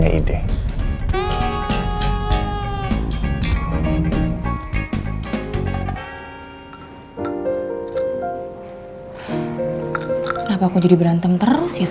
apa aku salah